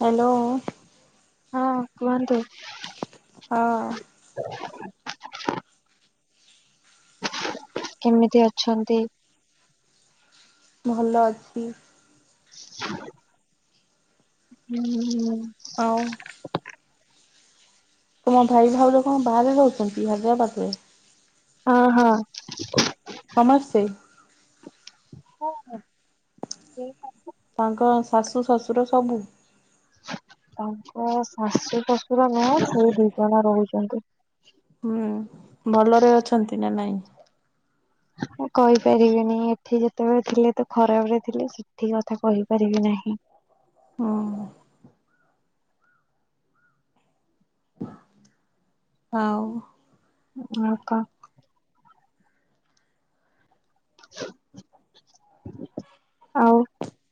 Hello. ହଁ କୁହନ୍ତୁ। ହଁ। [inaudible] କେମିତି ଅଛନ୍ତି। ଭଲ ଅଛି। [inaudible] ହୁଁ। ଆଉ ତମ ଭାଇ ଭାଉଜ କଁ ବାହାରେ ରୋହୁଚନ୍ତି ହାଇଦ୍ରାବାଦରେ। ହଁ ହଁ। ସମସେ। ହଁ ହଁ। ତାଙ୍କ ଶାଶୁ ଶଶୁର ସବୁ। ତାଙ୍କ ଶାଶୁ ଶଶୁର ନୁହଁ ସେଇ ଦି ଜଣ ରୋହୁଚନ୍ତି। ହୁଁ ଭଲରେ ଅଛନ୍ତି ନା ନାଇଁ। ମୁଁ କହିପାରିବିନି ଏଠି ଯେତୋବେଳେ ଥିଲେ ତ ଖରାପ ରେ ଥିଲେ ସେଠି କଥା କହିପାରିବି ନା ହିଁ। ହୁଁ। ଆଉ [unintelligible] [inaudible] ଆଉ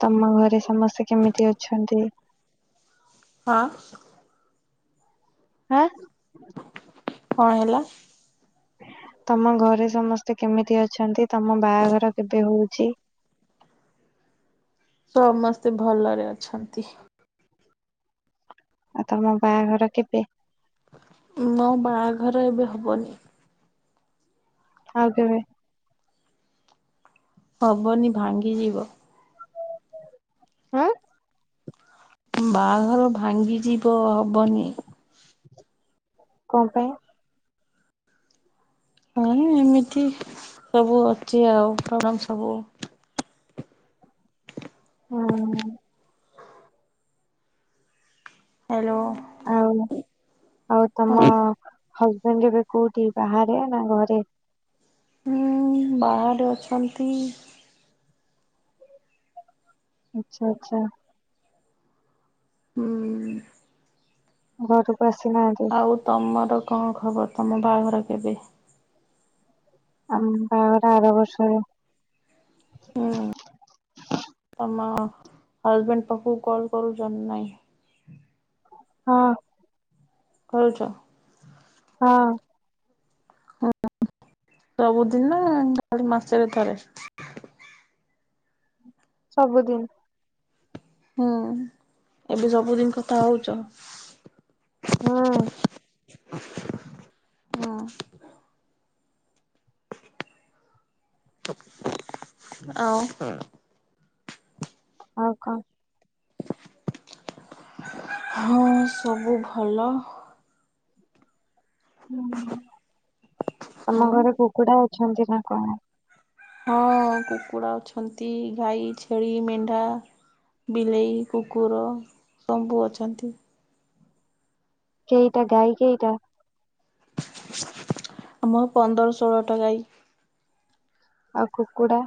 ତମ ଘରେ ସମସ୍ତେ କେମିତି ଅଛନ୍ତି। ହଁ। ଆଁ କଣ ହେଲା। [inaudible] ତମ ଘରେ ସମସ୍ତେ କେମିତି ଅଛନ୍ତି। ତମ ବାଘର କେବେ ହୋଉଚି। [inaudible] ସମସ୍ତେ ଭଲରେ ଅଛନ୍ତି। ଆଉ ତମ ବାଘର କେବେ। ମୋ ବାଘର ଏବେ ହବନି। ଆଉ କେବେ? ହବନି, ଭାଙ୍ଗି ଯିବ। ହୁଁ। ବାହାଘର ଭାଙ୍ଗିଯିବ, ହବନି। କଣ ପାଇଁ? ହଁ, ଇମିତି ସବୁ ଅଛି ଆଉ, ପ୍ରବ୍ଲମ ସବୁ ହଁ। ହ୍ୟାଲୋଁ। ଆଉ, ଆଉ ତମ ହଁ। ହଜ୍ ଏନ୍ଜେବେ କୋଉଠି ବାହାରେ ନା ଘରେ? ହୁଁ, ବାହାରେ ଅଛନ୍ତି। ଆଚ୍ଛା, ଆଚ୍ଛା। ହୁଁ ଘରେ ଆଉ ତମର କଣ ଖବର! ତମ ବାହାଘର କେବେ? ଆମ ବାହାଘର ଆର ବର୍ଷରେ। ମାଁ ହଜ୍ ବେଣ୍ଡ ପାଖକୁ କଲ୍ କରୁଛନ ନାଇଁ? ହଁ। କହୁଚ। ହଁ। [inaudible] ସବୁଦିନ ନା [inaudible] ମାସାରେ ଥରେ। ସବୁଦିନ। ହୁଁ, ଏବେ ସବୁଦିନ କ ଥା ହଉଛ। ହୁଁ ହୁଁ। ଅଁ ଉ। ଅଉ କ? ହଁ, ସବୁ ଭଲ। ତମ ଆଉ ଘରେ କୁକୁଡା ଅଛନ୍ତି ନା କଣ? ହଁ, କୁକୁଡ଼ା ଅଛନ୍ତି ଗାଈ, ଛେଳି, ମେଣ୍ଢା ବିଲେଇ, କୁକୁର ସବୁ ଅଛନ୍ତି। କେଇଟା ଗାଈ କେଇଟା? ଆମର ପନ୍ଦର ଷୋହଳ ଟା ଗାଈ। ଆଉ କୁକୁଡ଼ା?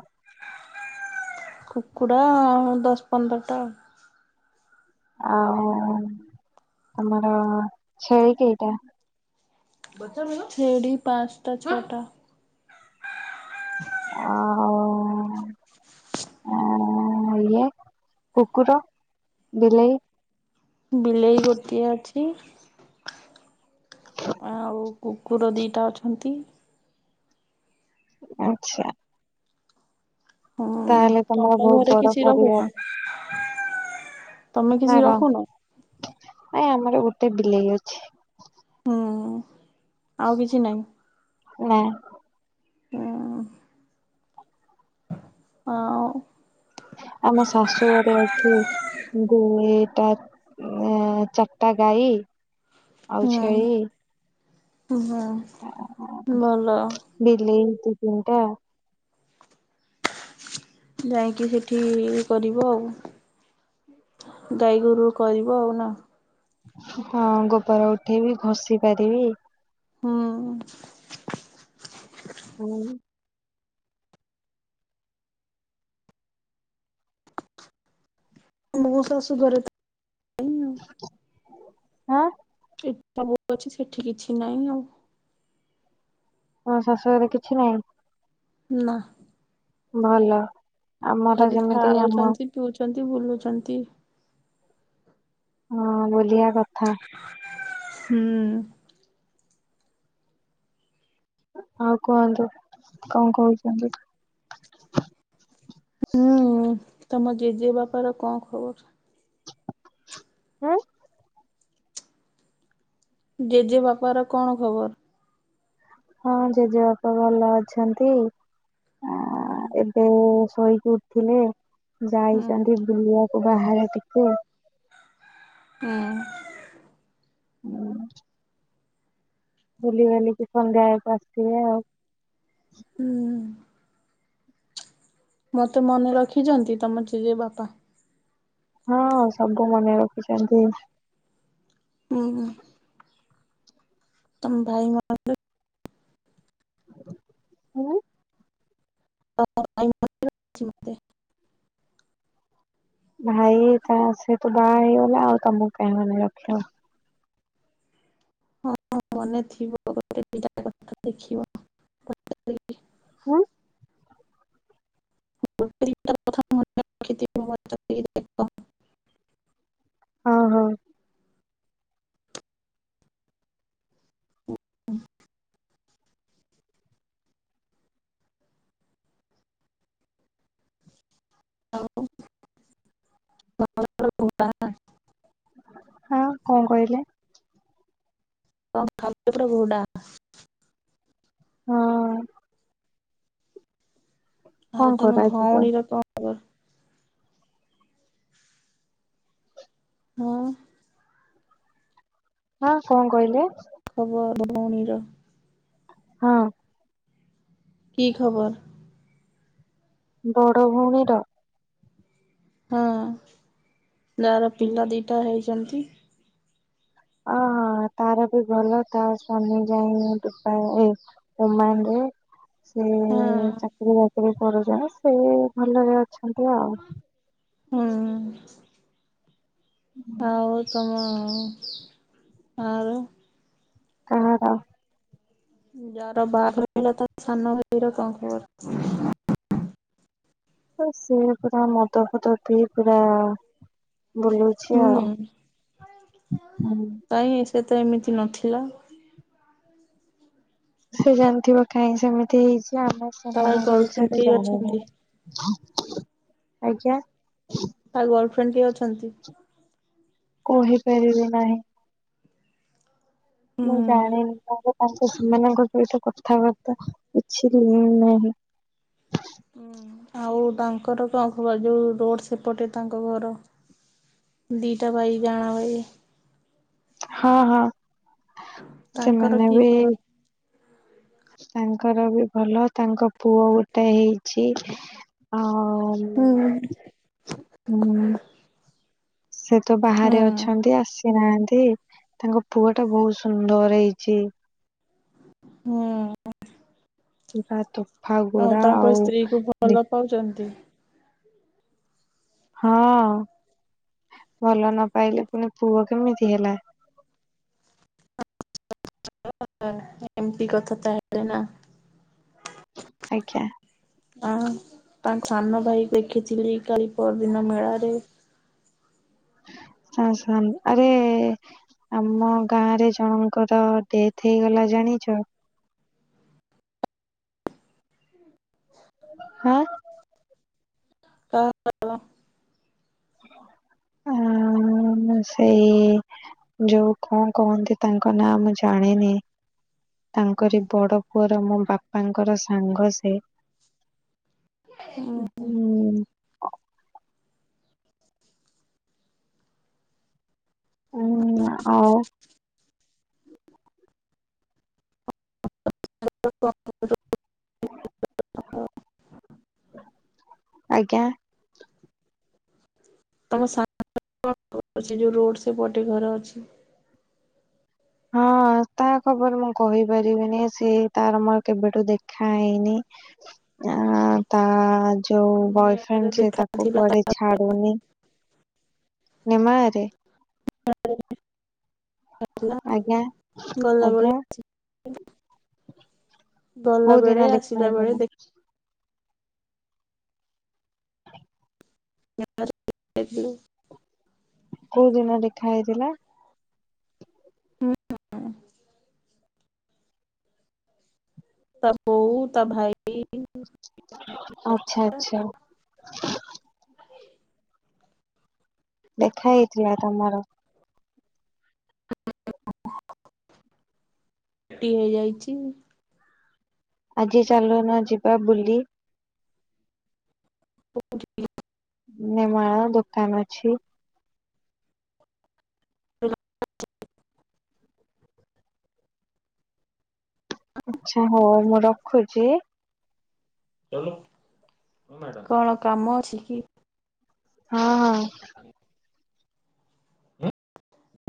କୁକୁଡ଼ା-ଆଁ ଦଶ ପନ୍ଦରଟା। ଆଉଁ ତମର ଛେଳି କେଇଟା? ଛେଳି ପାଞ୍ଚଟା, ଛଟା। ଆ-ଆ-ଉଁ-ଉଁ ଅଁ -ଅଁ ଇଏ କୁକୁଟ, ବିଲେଇ ବିଲେଇ ଗୋଟିଏ ଅଛି। କୁର ଦିଟା ଅଛନ୍ତି। ଆଚ୍ଛା। ହୁଁ, ତାହେଲେ ତମର ତମ ଘରେ ବହୁତ ବଡ କିଛି ପରିବାର ରହୁନ? ତମେ କିଛି ରଖୁନ? ଏ ଆମର ଗୋଟେ ବିଲେଇ ଅଛି। ହୁଁ, ଆଉ କିଛି ନାହିଁ? ନାଇଁ। ହୁଁ ଉ। ଆଁ ଓ। ଆମ ଶାଶୁଘରେ ଅଛି ଗୁଇଟା। ଅଁ ଚାର୍ ଟା ଗାଈ, ଆଉ ହୁଁ। ଛେଳି। ହୁଁ ଭଲ। [inaudible] ବିଲେଇ ଦି ତିନିଟା। ଯାଇକି ସେଠି- କରିବ ଆଉ। ଗାଈ ଗୋରୁ କରିବ ଆଉ ନା? ହଁ ଗୋବର ଉଠେଇବି ଘଷି ପାରିବି। ହୁଁ। ହୁଁ। ମୋ ଶାଶୁ ଘରେ ତ ନାହିଁ ଆଉ। [inaudible] ହଁ। ଏ ତମକୁ କହୁଚି ସେଠି କିଛି ନାହିଁ ଆଉ। ହଁ ଶାଶୁଘରେ କିଛି ନାହିଁ? ନାଁ। ଭଲ ଆମର ଯେମିତି ଆମ ଖାଉଛନ୍ତି ପିଉଛନ୍ତି ବୁଲୁଛନ୍ତି। ହଁ ବୁଲିଆ କଥା। ହୁଁ। ଆଉ କୁହନ୍ତୁ, କଣ କହୁଛନ୍ତି? ହୁଁ ତମ ଜେଜେବାପାର କଣ ଖବର? ଉଁ? ଜେଜେ ବାପାର କଣ ଖବର? ହଁ ଜେଜେବାପା ଭଲ ଅଛନ୍ତି-ଆ- ହୁଁ ଏବେ ଶୋଇକି ଉଠିଲେ, ହୁଁ। ଯାଇଥାନ୍ତି ବୁଲିବାକୁ ବାହାରେ ଟିକେ। ଉଁ। ହୁଁ। ବୁଲି ବାଲିିକି ସଂଧ୍ୟା ବେଳକୁ ଆସିବେ ଆଉ। ହୁଁ। ମତେ ମନେ ରଖିଛନ୍ତି ତମ ଜେଜେ ବାପା? ହଁ ସବୁ ମନେ ରଖିଚନ୍ତି। ଉହୁଁ। ତମ୍ ଭାଇ ମ [unintelligible] ଉଁ? [inaudible] ଭାଇ ତା ସେ ତୁ ବାହାର ହେଇଗଲା ଆଉ ତମକୁ କାଇଁ ମନେରଖିବ? ହଁ ମନେ ଥିବ [unintelligible] ଉଁ? [inaudible] ହଁ ହଁ। [inaudible] [inaudible] ହଁ କଣ କହିଲେ? [unintelligible] ହଁ। ଆଉ କଣ ତମ କରାଯିବ ଭଉଣୀର କଣ ଖବର? ଉଁ? ହଁ କଣ କହିଲେ? ଖବର ଭଉଣୀର। ହଁ। କି ଖବର? ବଡ ଭଉଣୀର। ହଁ, ଯାହାର ପିଲାଦିଟା ହେଇଛନ୍ତି। ଅଁ। ହଁ ତାର ବି ଭଲ ତା ସ୍ଵାମୀ ଯାଇ [unintelligible] ମାନେ ସେ ହଁ ଚାକିରି ବାକିରି କରୁଛନ୍ତି ସେ ଭଲରେ ଅଛନ୍ତି ଆଉ ହୁଁ ଆଉ ତମ ଆ କାହାର ଯାର ବାଘର ହେଲା ତା ସାନଭାଇ ର କଣ ଖବର ଏ ସେ ପୁରା ମଦଫଦ ପି ପୁରା ବୁଲଉଛି ଆଉ ହୁଁ ହୁଁ କାଇଁ ସେ ତ ଏମିତି ନଥିଲା। ସେ ଜାଣିଥିବ କାଇଁ ସେମିତି ହେଇଚି ସିଏ ଆମେ ତା ସେମାନଙ୍କ ବିଷୟ ଗର୍ଲଫ୍ରେଣ୍ଡ ତ କେହି ଜାଣିନି, ଅଛନ୍ତି? ଆଜ୍ଞା ଫେଣ୍ କିଏ ଅଛନ୍ତି? କହିପାରିବି ନାହିଁ ହୁଁ। ମୁଁ ଜାଣିନି ତା କଥା ତା ସେମାନଙ୍କ ସହିତ କଥାବାର୍ତ୍ତା କିଛି ବି ନାହିଁ ହଁ ଆଉ ତାଙ୍କର କଣ ଖବର ଯୋଉ ରୋଡ ସେପଟେ ତାଙ୍କ ଘର ଦିଟା ଭାଇ ଯାଆଁଳା ଭାଇ ହଁ ହଁ ତାଙ୍କର ସେମାନେ କି ବି ଖବର? ତାଙ୍କର ବି ଭଲ ତାଙ୍କ ପୁଅ ଗୋଟେ ହେଇଛି ଆଉ ହୁଁ ହଁ ହୁଁ ସେ ତ ହୁଁ ବାହାରେ ଅଛନ୍ତି ଆସି ନାହାନ୍ତି ତାଙ୍କ ପୁଅ ଟା ବହୁତ ସୁନ୍ଦର ହେଇଛି। ହୁ ପୁରା ତୋଫା ଗୋରା ଆଉ କୁ ଭଲ ଦେ ପାଉଛନ୍ତି। ହଁ ଭଲ ନ ପାଇଲେ ପୁଣି ପୁଅ କେମିତି ହେଲା। [unintelligible] ଏମପି କଥା ତାହେଲେନା ଆଜ୍ଞା ଆ ତାଙ୍କ ସାନ ଭାଇ ଦେଖିଥିଲି କାଲି ପରଦିନ ମେଳାରେ ହ ଶାନ ଆରେ ଆମ ଗାଁରେ ଜଣଙ୍କର ଡେଥ ହେଇଗଲା ଜାଣିଛ ହଁ ତ [unintelligible] ଆହା ହୁ ସେଇ ଯୋଉ କଣ କହନ୍ତି ତାଙ୍କ ନାଁ ମୁଁ ଜାଣିନି ତାଙ୍କରି ବଡ଼ ପୁଅର ମୋ ବାପାଙ୍କର ସାଙ୍ଗ ସେ ହୁଁ ହୁଁ ନା ଆଉ [unintelligible] ଆଜ୍ଞା ତମ ସା ଅ ଯୋଉ ରୋଡ ସେ ପଟେ ଘର ଅଛି। ହଁ ତା ଖବର ମୁଁ କହି ପାରିବିନି ସେ ତାର ମୋର କେବେଠୁ ଦେଖା ହେଇନି ଆ ତା ଯୋଉ ମେଳାରେ ବୟଫ୍ରେଣ୍ଡ ସେ ତାକୁ ଦେଖାଥିଲା ତା କୁଆଡେ ଛାଡୁନି ନିମାରେ [unintelligible] ଭଲ ଆଉ ଆଜ୍ଞା ଆଜ୍ଞା ଗୋଲାବୁଡ଼ି [unintelligible] ଗଲା କୋଉ ବେଳେ ଦିନ ଦେଖା ଆସିଲା ବେଳେ ହେଇଥିଲା ଦେଖ [unintelligible] ଯାଇଥିଲୁ କୋଉ ଦିନ ଦେଖା ହେଇଥିଲା। [inaudible] ତା ବୋଉ ତା ଭାଇ। ଆଛା ଆଚ୍ଛା। ଦେଖା ହେଇଥିଲା ତମର। ଟିଆ ଯାଇଛି। ଆଜି ଚାଲୁନ ଯିବା ବୁଲି। କୋଉଠିକି। ନେମାଳ ଦୋକାନ ଅଛି। [inaudible] ଆଛା ହଉ ମୁଁ ରଖୁଚି। କଣ କାମ ଅଛି କି। ହଁ ହଁ।